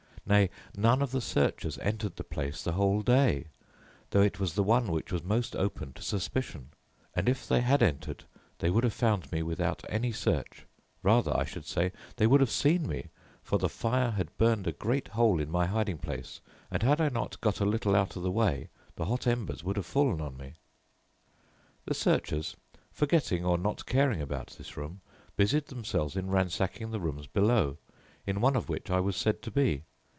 Nay, none of the searchers entered the place the whole day, though it was the one that was most open to suspicion, and if they had entered, they would have found me without any search; rather, I should say, they would have seen me, for the fire had burnt a great hole in my hiding place, and had I not got a little out of the way, the hot embers would have fallen on me. "The searchers, forgetting or not caring about this room, busied themselves in ransacking the rooms below, in one of which I was said to be.